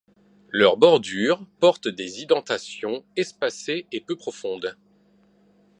Leur bordure porte des indentations espacées et peu profondes.